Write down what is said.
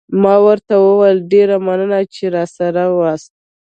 ما ورته وویل: ډېره مننه، چې را يې وست.